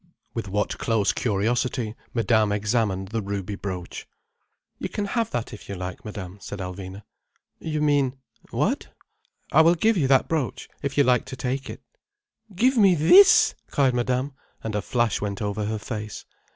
With what close curiosity Madame examined the ruby brooch. "You can have that if you like, Madame," said Alvina. "You mean—what?" "I will give you that brooch if you like to take it—" "Give me this—!" cried Madame, and a flash went over her face.